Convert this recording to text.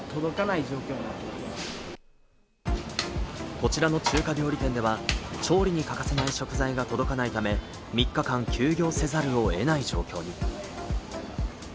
こちらの中華料理店では、調理に欠かせない食材が届かないため、３日間休業せざるを得ない状況に。